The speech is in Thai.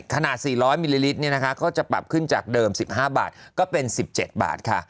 ขนาด๔๐๐มิลลิลิตรก็จะปรับขึ้นจากเดิม๑๕บาทก็เป็น๑๗บาทค่ะ